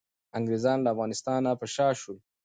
انګریزان له افغانستان نه په شا شول.